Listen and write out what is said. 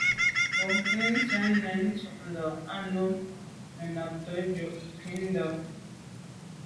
Bwɔ́ŋkə́’ cɛ̌d nɛ̂n tûʼndá á nǔm nə̀ nàptə̌ jùp kghûndá.